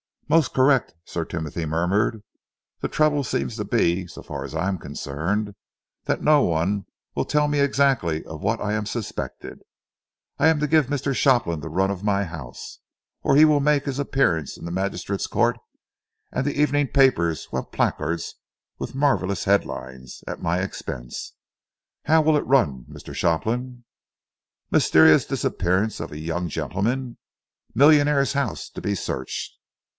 "Most correct," Sir Timothy murmured. "The trouble seems to be, so far as I am concerned, that no one will tell me exactly of what I am suspected? I am to give Mr. Shopland the run of my house, or he will make his appearance in the magistrate's court and the evening papers will have placards with marvellous headlines at my expense. How will it run, Mr. Shopland "'MYSTERIOUS DISAPPEARANCE OF A YOUNG GENTLEMAN. MILLIONAIRE'S HOUSE TO BE SEARCHED.'"